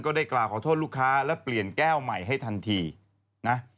ได้กล่าวขอโทษลูกค้าและเปลี่ยนแก้วใหม่ให้ทันทีนะ